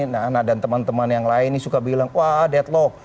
nah ada teman teman yang lain nih suka bilang wah deadlock